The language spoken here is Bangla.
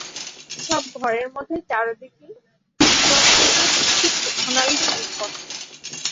সব ঘরের মধ্যে চারদিকেই ইতস্তত বিক্ষিপ্ত সোনালি জিনিসপত্র।